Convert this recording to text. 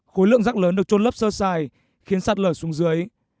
khối lượng rác lớn được trôn lấp sơ sài khiến sạt lở xuống dưới